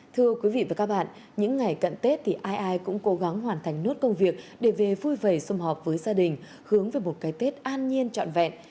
thưa quý vị và các bạn những ngày cận tết thì ai ai cũng cố gắng hoàn thành nốt công việc để về vui vầy xung họp với gia đình hướng về một cái tết an nhiên trọn vẹn